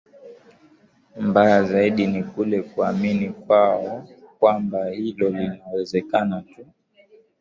Mbaya zaidi ni kule kuamini kwao kwamba hilo linawezekana tu